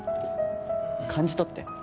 感じ取って。